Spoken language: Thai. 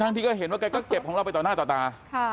ที่ก็เห็นว่าแกก็เก็บของเราไปต่อหน้าต่อตา